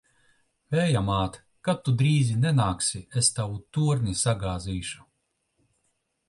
Vēja māt! Kad tu drīzi nenāksi, es tavu torni sagāzīšu!